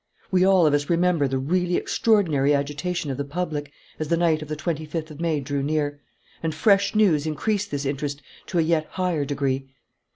We all of us remember the really extraordinary agitation of the public as the night of the twenty fifth of May drew near. And fresh news increased this interest to a yet higher degree.